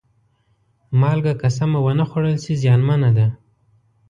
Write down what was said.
مالګه که سمه ونه خوړل شي، زیانمنه ده.